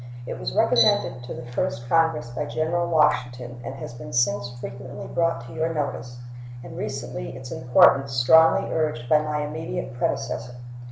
It was recommended to the First Congress by General Washington, and has been since frequently brought to your notice, and recently its importance strongly urged by my immediate predecessor.